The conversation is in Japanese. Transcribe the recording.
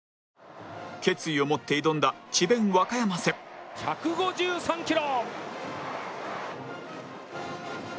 決意を持って挑んだ智弁和歌山戦１５４キロ！